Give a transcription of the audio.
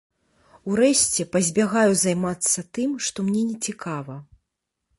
Урэшце, пазбягаю займацца тым, што мне нецікава.